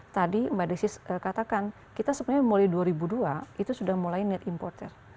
tadi mbak desi katakan kita sebenarnya mulai dua ribu dua itu sudah mulai net importer